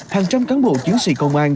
hàng trăm cán bộ chiến sĩ công an